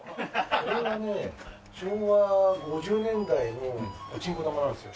これはね昭和５０年代のパチンコ玉なんですよ。